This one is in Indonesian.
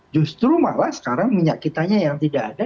justru malah sekarang minyak kitanya yang tidak ada